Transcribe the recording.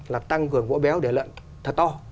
là tăng cường gỗ béo để lợn thật to